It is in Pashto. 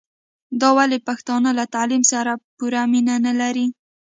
دا ولي پښتانه له تعليم سره پوره مينه نلري